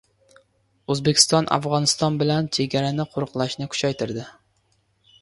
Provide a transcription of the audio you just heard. O‘zbekiston Afg‘oniston bilan chegarani qo‘riqlashni kuchaytirdi